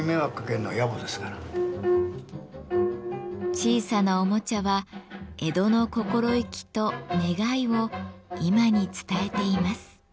小さなおもちゃは江戸の心意気と願いを今に伝えています。